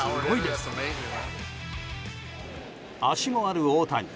足もある大谷